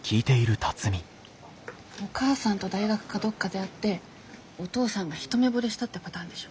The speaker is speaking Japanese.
お母さんと大学かどっかで会ってお父さんが一目ぼれしたってパターンでしょ？